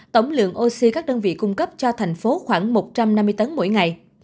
tổng lượng oxy các đơn vị cung cấp cho thành phố khoảng một trăm năm mươi tấn mỗi ngày